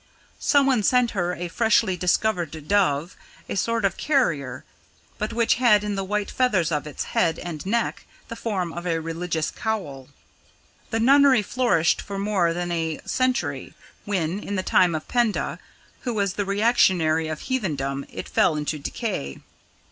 Someone sent her a freshly discovered dove, a sort of carrier, but which had in the white feathers of its head and neck the form of a religious cowl. The nunnery flourished for more than a century, when, in the time of Penda, who was the reactionary of heathendom, it fell into decay.